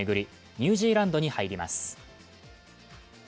ニュージーランドに入ります。